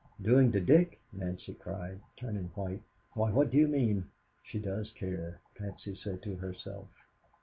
"Doing to Dick?" Nancy cried, turning white. "Why, what do you mean?" "She does care!" Patsy said to herself.